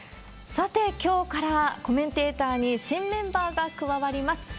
さて、きょうからコメンテーターに新メンバーが加わります。